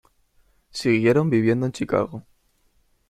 Siguieron viviendo en Chicago.